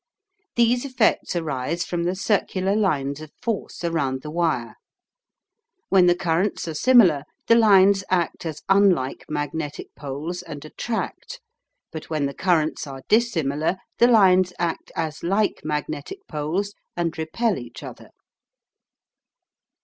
These effects arise from the circular lines of force around the wire. When the currents are similar the lines act as unlike magnetic poles and attract, but when the currents are dissimilar the lines act as like magnetic poles and repel each other.